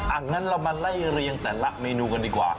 งั้นเรามาไล่เรียงแต่ละเมนูกันดีกว่า